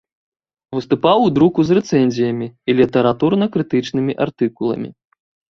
Выступаў у друку з рэцэнзіямі і літаратурна-крытычнымі артыкуламі.